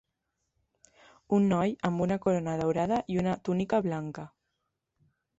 Un noi amb una corona daurada i una túnica blanca.